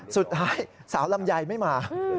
สุดท้ายสาวลำไยไม่มา